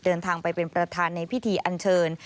เดินทางไปเป็นประธานในพิธีอันเชิญ